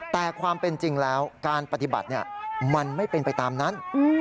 แต่ความเป็นจริงแล้วการปฏิบัติมันไม่เป็นไปตามนั้น